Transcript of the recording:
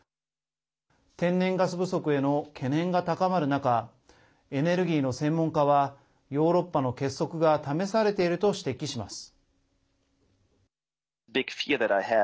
天然ガス不足への懸念が高まる中エネルギーの専門家はヨーロッパの結束が試されていると指摘します。